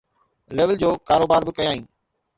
level جو ڪاروبار به ڪيائين